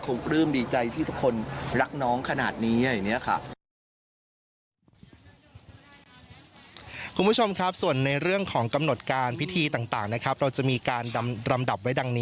ปลื้มดีใจที่ทุกคนรักน้องขนาดนี้อะไรอย่างนี้ค่ะ